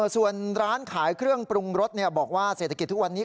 ส่วนร้านขายเครื่องปรุงรสบอกว่าเศรษฐกิจทุกวันนี้